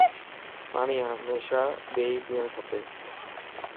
پاڻين ھميشا ٻيئي پيڻ کپ